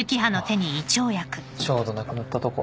ちょうどなくなったとこ。